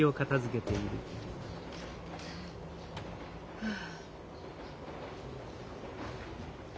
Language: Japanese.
はあ。